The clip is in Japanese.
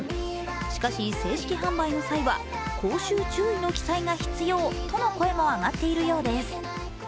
しかし、正式販売の際は口臭注意の記載が必要との声も上がっているそうです。